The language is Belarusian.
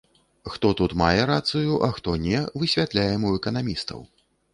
Хто тут мае рацыю, а хто не, высвятляем у эканамістаў.